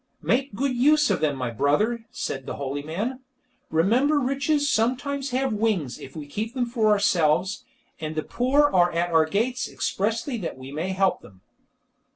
"Make a good use of them, my brother," said the holy man. "Remember riches sometimes have wings if we keep them for ourselves, and the poor are at our gates expressly that we may help them."